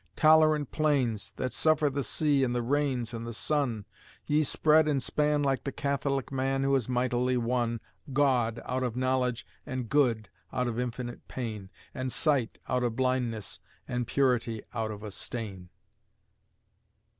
Tolerant plains, that suffer the sea and the rains and the sun, Ye spread and span like the catholic man who has mightily won God out of knowledge and good out of infinite pain And sight out of blindness and purity out of a stain.